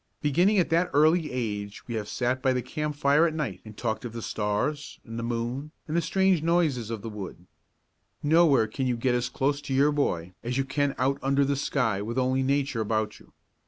Beginning at that early age we have sat by the campfire at night and talked of the stars and the moon and the strange noises of the wood. Nowhere can you get as close to your boy as you can out under the sky with only Nature about you.